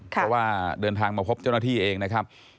เพราะว่าเดินทางมาพบเจ้าหน้าที่เองนะครับ